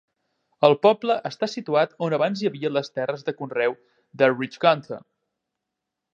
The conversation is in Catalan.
El poble està situat on abans hi havia les terres de conreu d'Elridge Gunter.